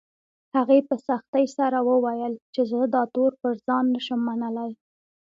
هغې په سختۍ سره وويل چې زه دا تور پر ځان نه شم منلی